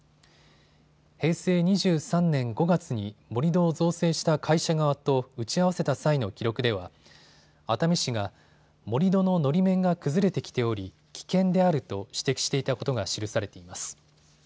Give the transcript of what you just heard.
平成２３年５月に盛り土を造成した会社側と打ち合わせた際の記録では熱海市が盛り土ののり面が崩れてきており、危険であると指摘していたことが記されています。